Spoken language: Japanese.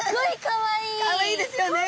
かわいいですよね。